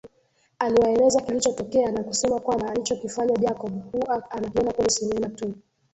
Aliwaeleza kilichotokea na kusema kwamba alichokifanya Jacob hua anakiona kwenye sinema tu